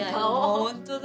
本当だ。